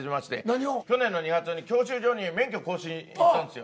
去年の２月に教習所に免許更新行ったんですよ。